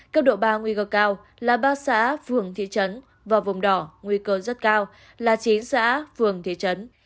cấp độ ba nguy cơ cao là ba xã phường thị trấn và vùng đỏ nguy cơ rất cao là chín xã phường thị trấn